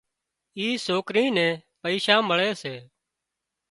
اِي سوڪرِي نين پئيشا مۯي سي